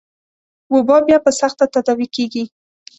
وبا بيا په سخته تداوي کېږي.